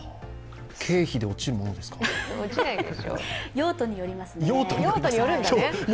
経費で落ちるものですか？